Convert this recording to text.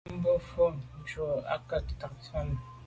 A lo be num mo’ le’njù à nke mfe ntàne.